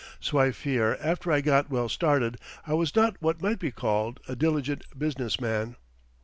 So I fear after I got well started, I was not what might be called a diligent business man.